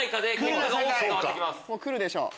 もう来るでしょ。